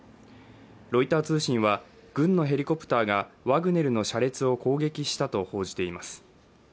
ロイター通信は、軍のヘリコプターがワグネルの車列を攻撃したと報じています。